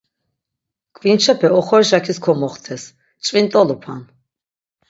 Ǩvinçepe oxorişakis komoxtes, ç̆vint̆olupan.